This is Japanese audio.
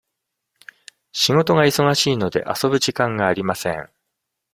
仕事が忙しいので、遊ぶ時間がありません。